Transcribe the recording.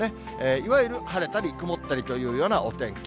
いわゆる晴れたり曇ったりというようなお天気。